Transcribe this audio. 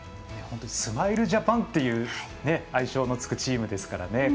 スマイルジャパンっていう愛称のつくチームですからね